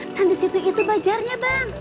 kan di situ itu bajarnya bang